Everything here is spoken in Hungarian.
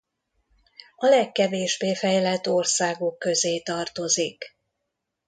A legkevésbé fejlett országok közé tartozik.